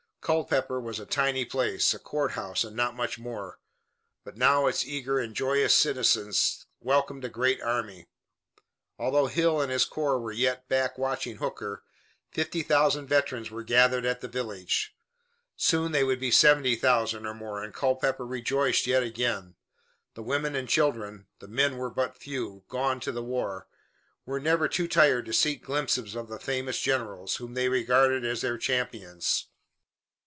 Culpeper was a tiny place, a court house and not much more, but now its eager and joyous citizens welcomed a great army. Although Hill and his corps were yet back watching Hooker, fifty thousand veterans were gathered at the village. Soon they would be seventy thousand or more, and Culpeper rejoiced yet again. The women and children the men were but few, gone to the war were never too tired to seek glimpses of the famous generals, whom they regarded as their champions.